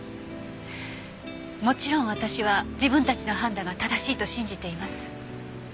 もちろん私は自分たちの判断が正しいと信じています。